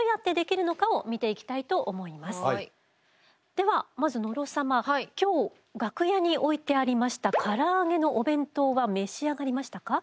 ではまず野呂様今日楽屋に置いてありましたからあげのお弁当は召し上がりましたか？